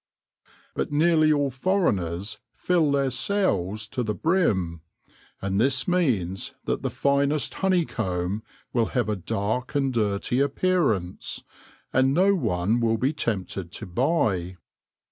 But nearly all foreigners fill their cells to the brim, and this means that the finest honeycomb will have a dark and dirty appearance, and no one will be tempted to buy.